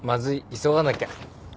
急がなきゃ。